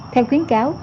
theo khuyến cáo